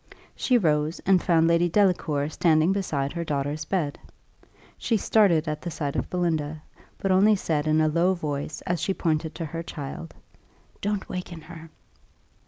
She rose, and found Lady Delacour standing beside her daughter's bed. She started at the sight of Belinda, but only said in a low voice, as she pointed to her child, "Don't waken her."